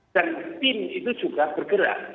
dan tim itu juga bergerak